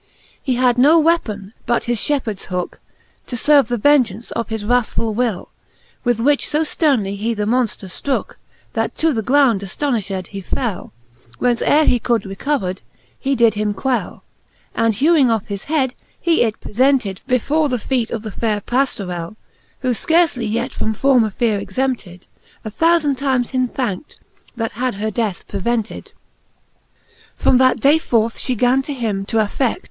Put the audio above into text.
He had no weapon, but his fliepheards hooke, To ferve the vengeaunce of his wrathfull will, With which fo fternely he the monfter ftrooke, That to the ground aftonifhed he fell; Whence ere he could recov'r, he did him quell, And hewing off his head, it prefented Before the feete of the faire Pajlorell ', Who fcarcely yet from former feare exempted, A thoufand times him thankt, that had her death prevented. XXXVII. From that day forth fhe gan him to affed